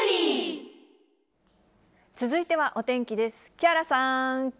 続いてはお天気です。